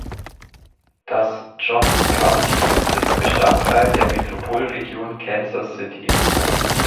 Das Johnson County ist Bestandteil der Metropolregion Kansas City.